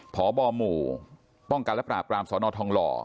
พบหมู่ป้องกันและปราบรามสนทองหล่อ